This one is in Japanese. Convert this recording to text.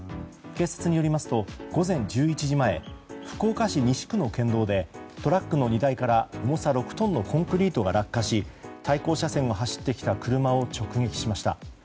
警察によりますと午前１１時前福岡市西区の県道でトラックの荷台から重さ６トンのコンクリートが落下し対向車線を走ってきた車を直撃しました。